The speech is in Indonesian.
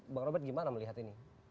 bang robert gimana melihat ini